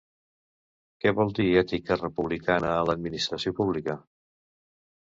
Què vol dir ètica republicana a l’administració pública?